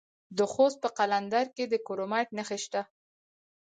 د خوست په قلندر کې د کرومایټ نښې شته.